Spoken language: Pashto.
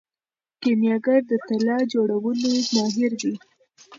کیمیاګر د طلا جوړولو ماهر دی.